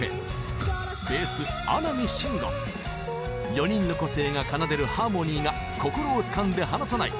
４人の個性が奏でるハーモニーが心をつかんで離さない。